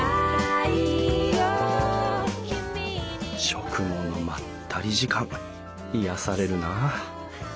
食後のまったり時間癒やされるな。